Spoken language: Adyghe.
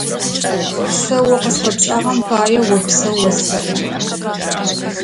Сэ о къысфэпшӏагъэм пае опсэу осэӏо.